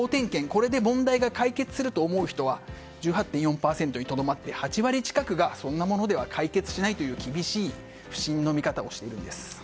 これで問題が解決すると思う人は１８．４％にとどまって８割近くがそんなものでは解決しないという厳しい不信の見方をしています。